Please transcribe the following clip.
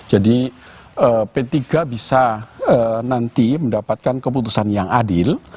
jadi p tiga bisa nanti mendapatkan keputusan yang adil